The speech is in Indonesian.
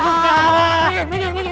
siapa yang nyasar nih